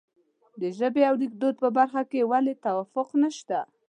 د ژبې او لیکدود په برخه کې ولې توافق نشته.